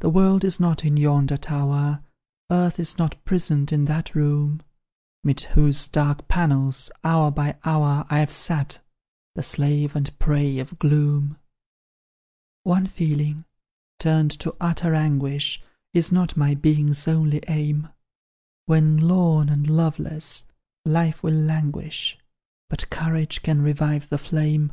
"The world is not in yonder tower, Earth is not prisoned in that room, 'Mid whose dark panels, hour by hour, I've sat, the slave and prey of gloom. "One feeling turned to utter anguish, Is not my being's only aim; When, lorn and loveless, life will languish, But courage can revive the flame.